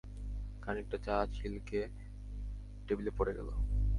খানিকট চা ছিলকে টেবিলে পড়ে গেল।